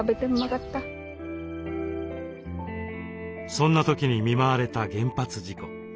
そんな時に見舞われた原発事故。